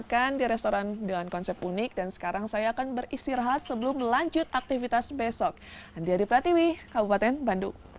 kisah cinta yang menegurkan kita